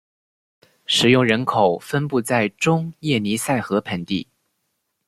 使用人口分布在中叶尼塞河盆地。